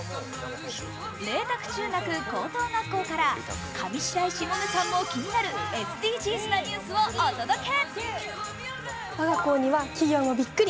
麗澤中学・高等学校から上白石萌音さんも気になるＳＤＧｓなニュースをお届け。